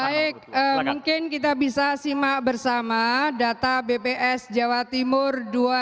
baik mungkin kita bisa simak bersama data bps jawa timur dua ribu dua puluh